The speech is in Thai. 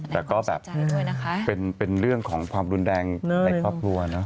แต่ก็แบบเป็นเรื่องของความรุนแรงในครอบครัวเนอะ